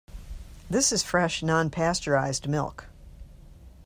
This is fresh non-pasteurized milk.